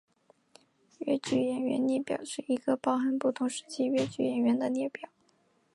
越剧演员列表是一个包含不同时期越剧演员的列表。